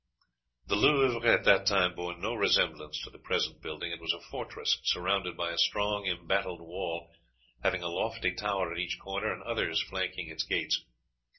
The Louvre at that time bore no resemblance to the present building. It was a fortress surrounded by a strong embattled wall, having a lofty tower at each corner and others flanking its gates.